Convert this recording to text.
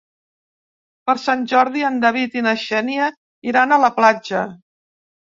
Per Sant Jordi en David i na Xènia iran a la platja.